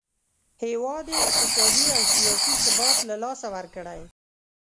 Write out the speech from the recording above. هیواد یې اقتصادي او سیاسي ثبات له لاسه ورکړی.